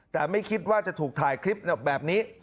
แต่ไม่คิดว่าจะถูกถ่ายคลิปแบบนี้